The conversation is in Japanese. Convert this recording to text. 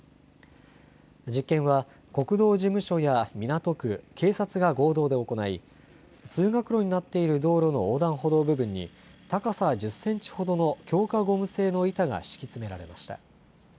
実験は国道事務所や港区、警察が合同で行い、通学路になっている道路の横断歩道部分に、高さ１０センチほどの強化ゴム製の板が敷き詰められました。